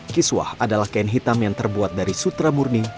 kiswah adalah kain hitam yang terbuat dari sutra murni